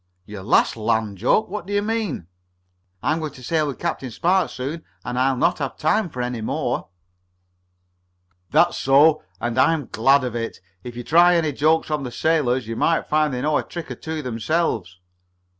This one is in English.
"Your last land joke? What do you mean?" "I'm going to sail with Captain Spark soon, and I'll not have time for any more." "That's so, and I'm glad of it. If you try any jokes on the sailors you may find they know a trick or two themselves."